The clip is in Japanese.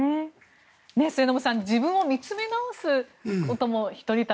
末延さん自分を見つめ直すことも一人旅。